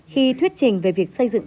khi thuyết trình về việc xây dựng